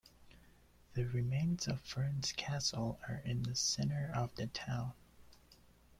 The remains of Ferns Castle are in the centre of the town.